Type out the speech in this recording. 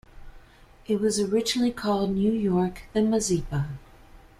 It was originally called New York, then Mazeppa.